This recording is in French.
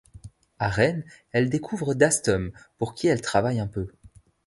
À Rennes, elle découvre Dastum, pour qui elle travaille un peu.